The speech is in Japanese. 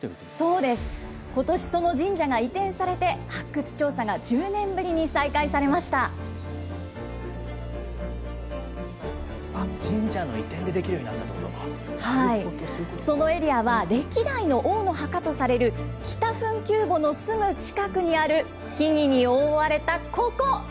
ことしその神社が移転されて、発掘調査が１０年ぶりに再開されま神社の移転でできるようになそのエリアは、歴代の王の墓とされる北墳丘墓のすぐ近くにある、木々に覆われたここ。